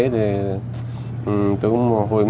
thì tôi cũng hồi mơ